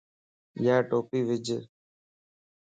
يا ٽوپي وج